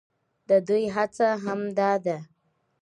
د دوى هڅه هم دا ده،